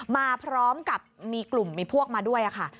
มาพร้อมกับมีกลุ่มมีพวกมาด้วยค่ะ